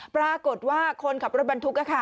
ปรากฏว่าคนขับรถบรรทุก